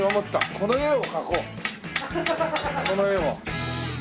この絵を。